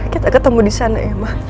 kita ketemu di sana ya ma